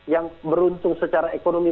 yang beruntung secara ekonomi